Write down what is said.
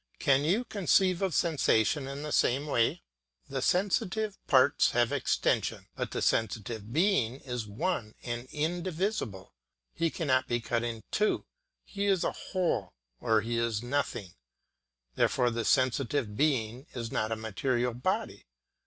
Can you conceive of sensation in the same way? The sensitive parts have extension, but the sensitive being is one and indivisible; he cannot be cut in two, he is a whole or he is nothing; therefore the sensitive being is not a material body.